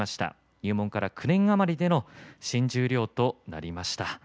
入門から９年余りでの新十両となりました。